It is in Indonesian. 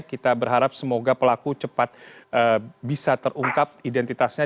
kita berharap semoga pelaku cepat bisa terungkap identitasnya